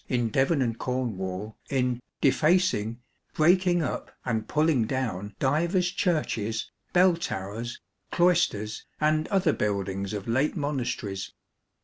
in Devon and Cornwall in " defacing, breaking up and pulling down divers churches, bell towers, cloisters and other buildings of late monasteries."